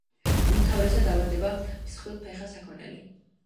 უმთავრესად ავადდება მსხვილფეხა საქონელი.